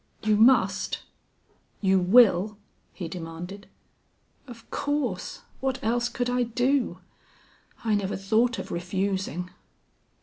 "You must you will?" he demanded. "Of course. What else could I do? I never thought of refusing."